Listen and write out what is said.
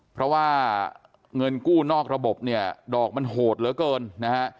เพราะว่าเงินกู้นอกระบบเนี่ยดอกมันโหดเหลือเกินนะฮะ